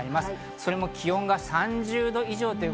それも気温が３０度以上。